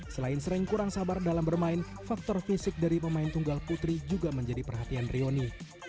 selain sering kurang sabar dalam bermain faktor fisik dari pemain tunggal putri juga menjadi perhatian rioni